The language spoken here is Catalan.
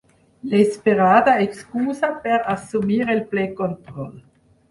L'esperada excusa per assumir el ple control